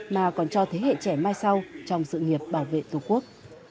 mà còn cho thế hệ trẻ mai sau trong sự nghiệp bảo vệ tổ quốc